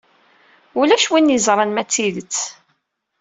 Ulac win yeẓran ma d tidet.